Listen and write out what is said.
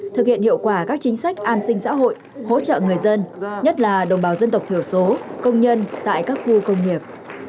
thực hiện hiệu quả các chính sách an sinh xã hội hỗ trợ người dân nhất là đồng bào dân tộc thiểu số công nhân tại các khu công nghiệp